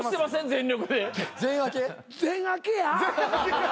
全開けや。